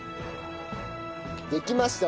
できました。